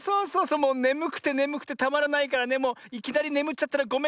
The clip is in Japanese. もうねむくてねむくてたまらないからねもういきなりねむっちゃったらごめんなさいって。